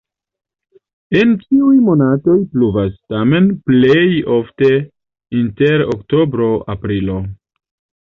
En ĉiuj monatoj pluvas, tamen plej ofte inter oktobro-aprilo.